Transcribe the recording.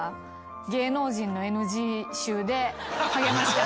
芸能人のＮＧ集で励まし方。